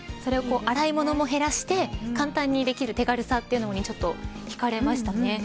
それを洗い物も減らして簡単にできる手軽さというものに引かれました。